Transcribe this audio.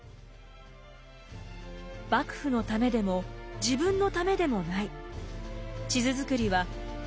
幕府のためでも自分のためでもない。